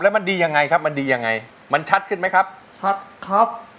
มันดียังไงครับมันดียังไงมันชัดขึ้นไหมครับชัดครับ